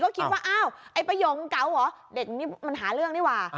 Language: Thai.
ก็คิดว่าอ้าวไอ้ประโยงเก๋าเหรอเด็กนี่มันหาเรื่องนี่หว่า